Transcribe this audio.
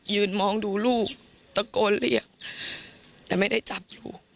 มองดูลูกตะโกนเรียกแต่ไม่ได้จับอยู่